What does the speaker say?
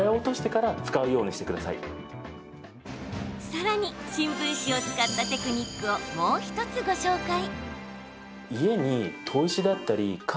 さらに新聞紙を使ったテクニックをもう１つご紹介。